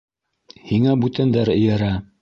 Һиңә бүтәндәр эйәрә.